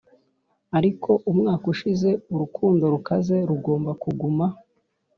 ariko umwaka ushize urukundo rukaze rugomba kuguma